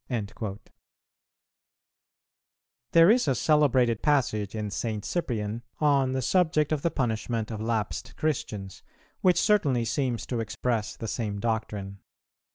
"[388:1] There is a celebrated passage in St. Cyprian, on the subject of the punishment of lapsed Christians, which certainly seems to express the same doctrine.